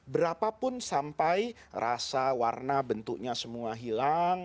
berapapun sampai rasa warna bentuknya semua hilang